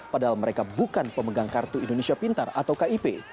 padahal mereka bukan pemegang kartu indonesia pintar atau kip